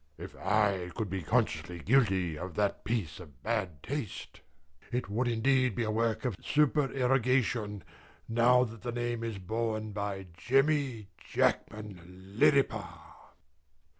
If I could be consciously guilty of that piece of bad taste, it would indeed be a work of supererogation, now that the name is borne by JEMMY JACKMAN LIRRIPER.